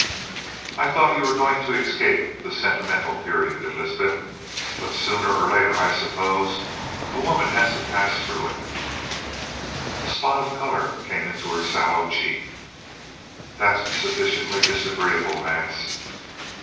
"I thought you were going to escape the sentimental period, Elizabeth. But sooner or later I suppose a woman has to pass through it." A spot of color came in her sallow cheek. "That's sufficiently disagreeable, Vance."